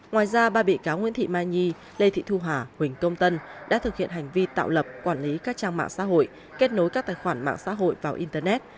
ngoài ra ba bị cáo nguyễn thị mai nhi lê thị thu hà huỳnh công tân đã thực hiện hành vi tạo lập quản lý các trang mạng xã hội kết nối các tài khoản mạng xã hội vào internet